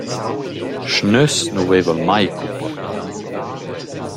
Schnöss nu vaiva’l mai cumportà.